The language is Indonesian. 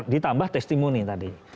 ditambah testimoni tadi